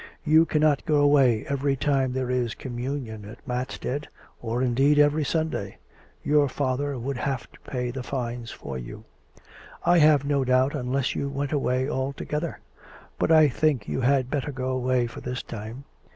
You cannot go away every time there is communion at Matstead, or, indeed, every Sunday. Your father would have to pay the fines for you, I have no doubt, unless you went away altogether. But I think you had better go away for this time.